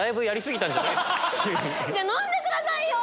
じゃあ飲んでくださいよ！